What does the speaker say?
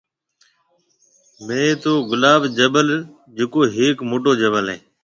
مهيَ تو گلاب جبل جڪو هيڪ موٽو جبل هيَ۔